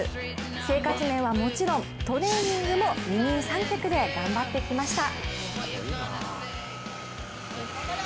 生活面はもちろんトレーニングも二人三脚で頑張ってきました。